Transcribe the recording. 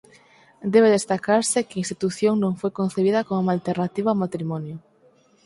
Debe destacarse que a institución non foi concibida como alternativa ao matrimonio.